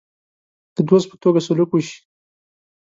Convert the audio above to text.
د دوست په توګه سلوک وشي.